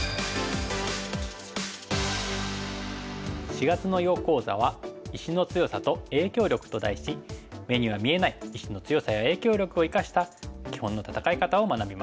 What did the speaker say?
４月の囲碁講座は「石の強さと影響力」と題し目には見えない石の強さや影響力を生かした基本の戦い方を学びます。